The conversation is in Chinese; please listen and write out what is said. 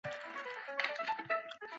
他们必须找到名为怒的村庄。